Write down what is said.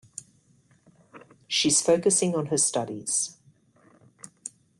She's focusing on her studies.